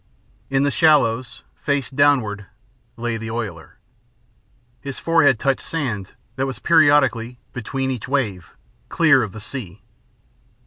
In the shallows, face downward, lay the oiler. His forehead touched sand that was periodically, between each wave, clear of the sea.